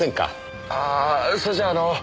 ああそれじゃああの。